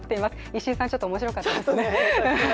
石井さん、ちょっと面白かったですね。